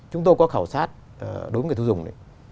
chúng tôi có khảo sát đối với người thú dùng này